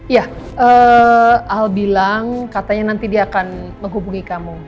ya al bilang katanya nanti dia akan menghubungi kamu